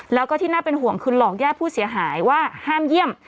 แล้วก็ที่น่าเป็นห่วงคือหลอกญาติผู้เสียหายว่าห้ามเยี่ยม